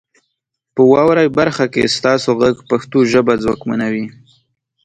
په واورئ برخه کې ستاسو غږ پښتو ژبه ځواکمنوي.